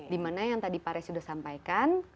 dimana yang tadi pak rey sudah sampaikan